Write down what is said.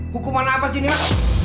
hukuman apa sih ini pak